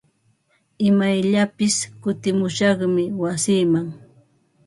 Imayllapis kutimushaqmi wasiiman.